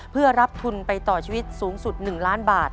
เพื่อรับทุนไปต่อชีวิตสูงสุด๑ล้านบาท